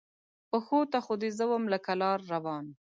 پښو ته خو دې زه وم لکه لار روان